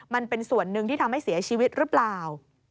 มันเป็นส่วนหนึ่งที่ทำให้เสียชีวิตหรือเปล่า